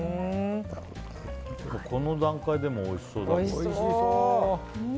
この段階でもおいしそう。